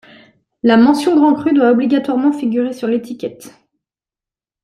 La mention grand cru doit obligatoirement figurer sur l'étiquette.